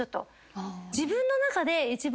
自分の中で一番。